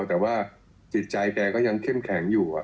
แต่ว่าจิตใจแกก็ยังเข้มแข็งอยู่